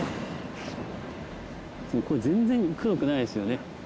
全然黒くないですよね。